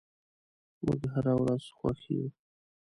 موږ هره ورځ خوښ یو.